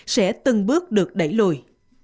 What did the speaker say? sẽ từng bước được đẩy lùi